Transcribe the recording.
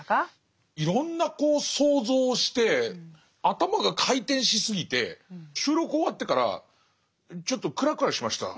いろんなこう想像をして頭が回転しすぎて収録終わってからちょっとクラクラしました。